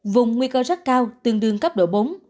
vùng nguy cơ rất cao tương đương cấp độ bốn